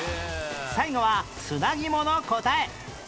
最後は砂肝の答え